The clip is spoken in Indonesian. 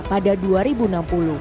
pada tahun dua ribu dua puluh